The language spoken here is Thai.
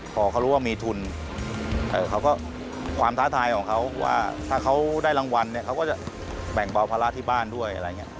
พอเขารู้ว่ามีทุนความท้าทายของเขาว่าถ้าเขาได้รางวัลเขาก็จะแบ่งบ่าพละที่บ้านด้วย